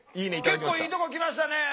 結構いいとこきましたねえ。